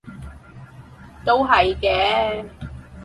都係嘅